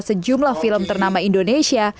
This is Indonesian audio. sejumlah film ternama indonesia